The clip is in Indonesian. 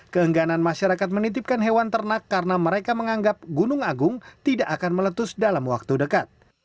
keengganan masyarakat menitipkan hewan ternak karena mereka menganggap gunung agung tidak akan meletus dalam waktu dekat